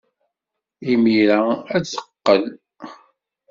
Imir-a ad d-teqqel.